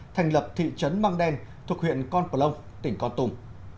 thành lập thị trấn mang đen thuộc huyện con cổ long tỉnh con tùm